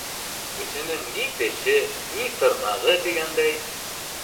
Кешенең ни теше, ни тырнағы, тигәндәй.